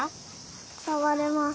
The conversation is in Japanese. さわれます。